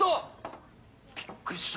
びっくりした。